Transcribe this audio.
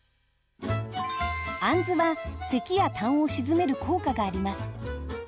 あんずはせきや痰を鎮める効果があります。